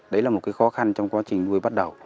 đấy là một khó khăn trong quá trình nuôi bắt đầu